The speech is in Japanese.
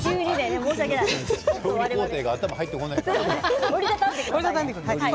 工程が頭に入ってこないから。